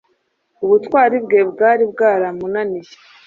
Ubutwari bwe bwari bwaramunaniye